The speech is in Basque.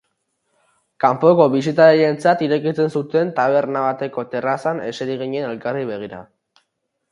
Kanpoko bisitarientzat irekitzen zuten taberna bateko terrazan eseri ginen elkarri begira.